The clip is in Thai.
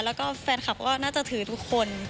แล้วก็แฟนคลับก็น่าจะถือทุกคน